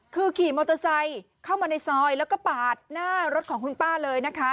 คือขี่มอเตอร์ไซค์เข้ามาในซอยแล้วก็ปาดหน้ารถของคุณป้าเลยนะคะ